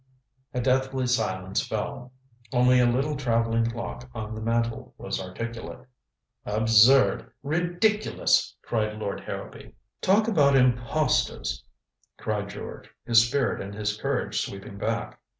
A deathly silence fell. Only a little traveling clock on the mantel was articulate. "Absurd ridiculous " cried Lord Harrowby. "Talk about impostors," cried George, his spirit and his courage sweeping back.